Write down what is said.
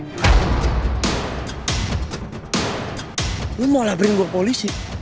kau mau laporin gua polisi